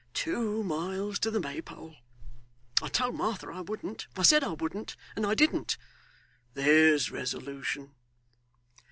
Two miles to the Maypole! I told Martha I wouldn't; I said I wouldn't, and I didn't there's resolution!